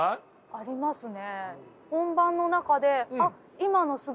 ありますね。